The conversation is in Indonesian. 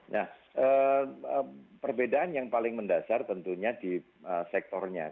nah perbedaan yang paling mendasar tentunya di sektor karyawan